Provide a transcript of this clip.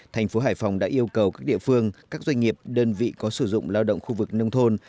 thành phố hải phòng đã yêu cầu các địa phương các doanh nghiệp đơn vị có sử dụng lao động khu vực nông thôn